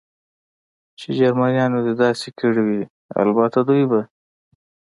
چې جرمنیانو دې داسې کړي وي، البته دوی به.